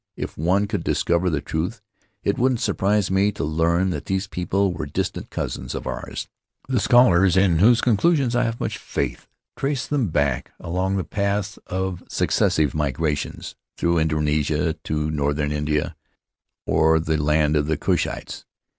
If one could discover the truth, it wouldn't surprise me to learn that these people were distant cousins of ours. The scholars — in whose conclusions I haven't much faith — trace them back, along the paths of successive migra tions, through Indonesia to northern India or the land of the Cushites.